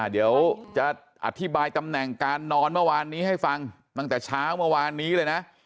เดี๋ยวจะอธิบายตำแหน่งการนอนเมื่อวานนี้ให้ฟังตั้งแต่เช้าเมื่อวานนี้เลยนะ